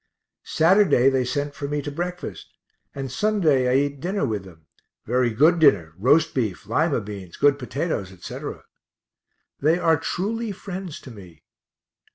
Saturday they sent for me to breakfast, and Sunday I eat dinner with them very good dinner, roast beef, lima beans, good potatoes, etc. They are truly friends to me.